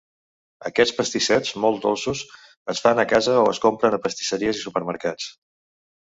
Aquests pastissets, molts dolços, es fan a casa o es compren a pastisseries i supermercats.